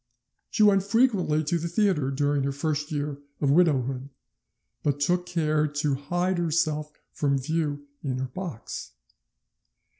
"She went frequently to the theatre during her first year of widowhood, but took care to hide herself from view in her box."